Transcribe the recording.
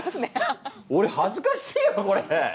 おれはずかしいよこれ！